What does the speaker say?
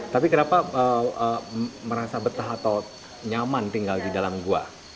tapi kenapa merasa betah atau nyaman tinggal di dalam gua